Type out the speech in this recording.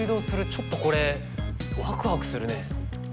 ちょっとこれワクワクするね！